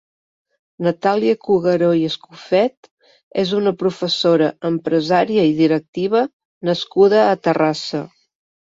Natàlia Cugueró i Escofet és una professora, empresària i directiva nascuda a Terrassa.